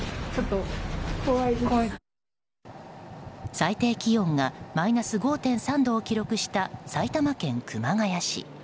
最低気温がマイナス５．３度を記録した埼玉県熊谷市。